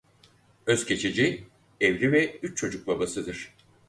Özkeçeci evli ve üç çocuk babasıdır.